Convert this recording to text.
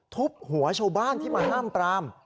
ทุบหัวชาวบ้านที่มาห้ามปราม